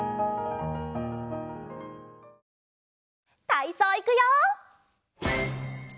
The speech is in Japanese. たいそういくよ！